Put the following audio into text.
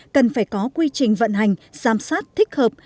cần phải có quy trình vận hành giám sát thích hợp